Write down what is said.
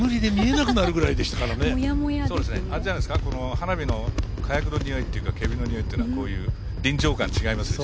花火の火薬のにおいというか煙のにおいはこういう臨場感違います。